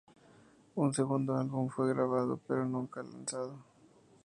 Un segundo álbum fue grabado pero nunca lanzado.